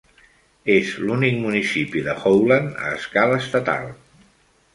És l'únic municipi de Howland a escala estatal.